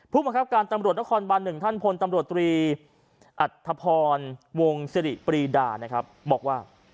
ผู้บังคับการตำรวจคอนบาล๑ท่านพลตำรวจตรีอัตภพรวงศิริปรีดาบอกว่า